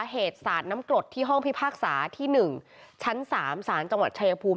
สารน้ำกรดที่ห้องพิพากษาที่๑ชั้น๓สารจังหวัดชายภูมิ